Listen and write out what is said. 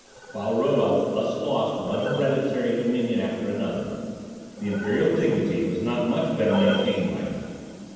While Rodolph thus lost one hereditary dominion after another, the imperial dignity was not much better maintained by him.